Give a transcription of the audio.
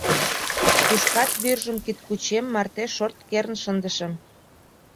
Тушкат вӱржым кидкучем марте шорт керын шындышым.